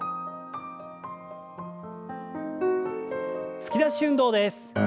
突き出し運動です。